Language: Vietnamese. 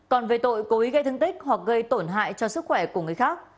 còn về tội cố ý gây thương tích hoặc gây tổn hại cho sức khỏe của người khác